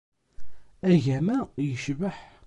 Agama yecbeḥ.